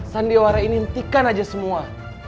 sandiwara ini hentikan aja semua